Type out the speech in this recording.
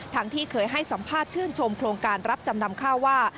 ที่เคยให้สัมภาษณ์ชื่นชมโครงการรับจำนำข้าวว่า